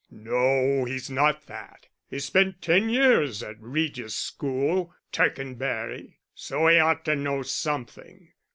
"No, he's not that. He spent ten years at Regis School, Tercanbury; so he ought to know something."